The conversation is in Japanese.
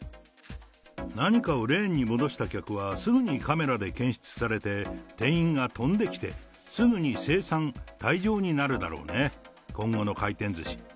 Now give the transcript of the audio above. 何かをレーンに戻した客は、すぐにカメラで検出されて、店員が飛んできて、すぐに精算・退場になるだろうね、今後の回転ずし。